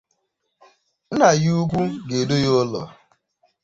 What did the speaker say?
nna ya ukwu ga-edu ya ụlọ.